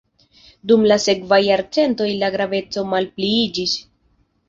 Dum la sekvaj jarcentoj la graveco malpliiĝis.